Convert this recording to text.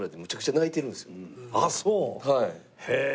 へえ。